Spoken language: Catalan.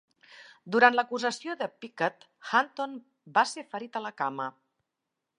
Durant l'acusació de Pickett, Hunton va ser ferit a la cama.